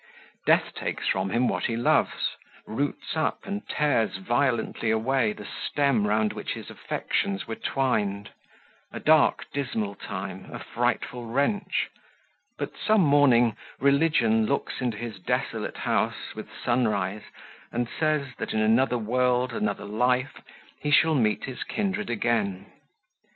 Death takes from him what he loves; roots up, and tears violently away the stem round which his affections were twined a dark, dismal time, a frightful wrench but some morning Religion looks into his desolate house with sunrise, and says, that in another world, another life, he shall meet his kindred again.